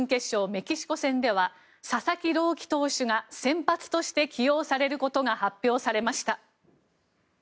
メキシコ戦では佐々木朗希投手が先発として起用されることが発表されました。